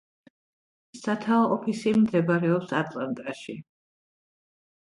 სათაო ოფისი მდებარეობს ატლანტაში.